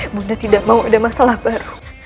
ibu nda tidak mau ada masalah baru